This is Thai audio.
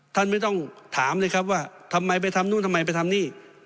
ท่านไม่ต้องถามเลยครับว่าทำไมไปทำนู่นทำไมไปทำนี่